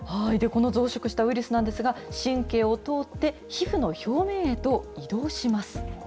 この増殖したウイルスなんですが、神経を通って皮膚の表面へと移動します。